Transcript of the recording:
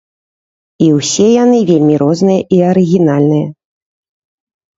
І ўсе яны вельмі розныя і арыгінальныя.